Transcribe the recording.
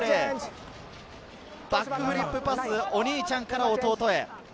バックフリックパス、お兄ちゃんから弟へ。